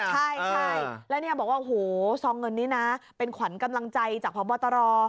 ใช่แล้วเนี่ยบอกว่าโอ้โหซองเงินนี้นะเป็นขวัญกำลังใจจากพบตร